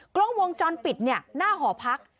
กล้องวงจรปิดหน้าหอพัก